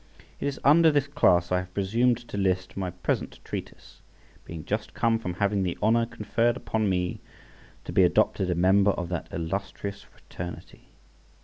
It is under this class I have presumed to list my present treatise, being just come from having the honour conferred upon me to be adopted a member of that illustrious fraternity.